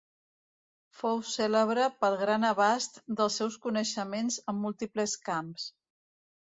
Fou cèlebre pel gran abast dels seus coneixements en múltiples camps.